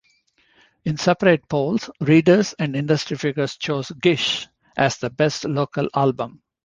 In separate polls, readers and industry figures chose "Gish" as the "best local album".